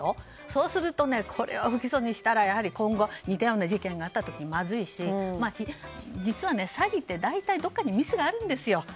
そうするとこれは不起訴にしたら今後、似たような事件があった時まずいし実は、詐欺って大体どこかにミスがあるんですよ。